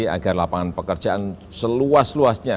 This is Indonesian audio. agar lapangan pekerjaan seluas luasnya